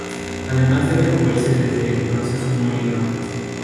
Además debe mover desde entonces un molino.